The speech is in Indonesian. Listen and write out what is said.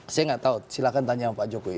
saya nggak tahu silahkan tanya sama pak jokowi